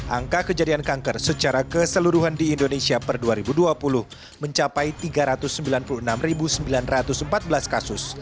angka kejadian kanker secara keseluruhan di indonesia per dua ribu dua puluh mencapai tiga ratus sembilan puluh enam sembilan ratus empat belas kasus